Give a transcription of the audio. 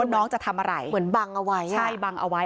น้องจะทำอะไรเหมือนบังเอาไว้ใช่บังเอาไว้